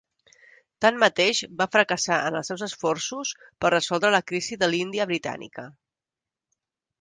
Tanmateix va fracassar en els seus esforços per resoldre la crisi de l'Índia britànica.